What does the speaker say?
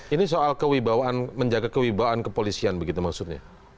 ini soal kewibawaan menjaga kewibawaan kepolisian begitu maksudnya